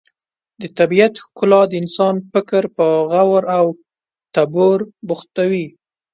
د طبیعت ښکلا د انسان فکر په غور او تدبر بوختوي.